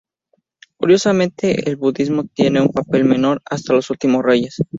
Curiosamente, el budismo tiene un papel menor hasta los últimos reyes.